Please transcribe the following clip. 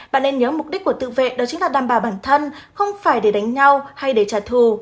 bạn nên nhớ mục đích của tự vệ đó chính là đảm bảo bản thân không phải để đánh nhau hay để trả thù